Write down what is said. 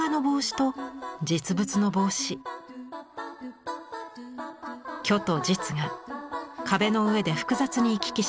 虚と実が壁の上で複雑に行き来します。